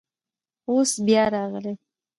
اوس بیا راغلی.